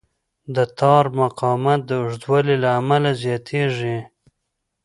د تار مقاومت د اوږدوالي له امله زیاتېږي.